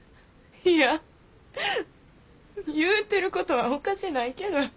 いや言うてることはおかしないけど。